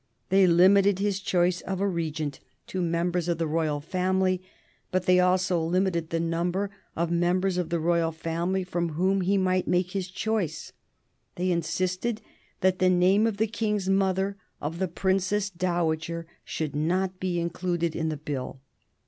They limited his choice of a regent to members of the royal family, but they also limited the number of members of the royal family from whom he might make his choice. They insisted that the name of the King's mother, of the Princess Dowager, should not be included in the Bill.